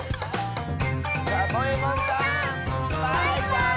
サボえもんさんバイバーイ！